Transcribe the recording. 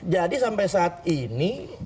jadi sampai saat ini